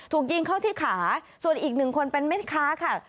ถูกยิงเข้าที่ขาส่วนอีก๑คนเป็นเม็ดค้าค่ะ